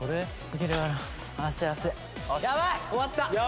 終わった！